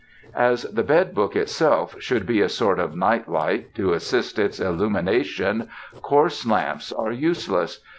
As the bed book itself should be a sort of night light, to assist its illumination, coarse lamps are useless.